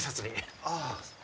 ああ。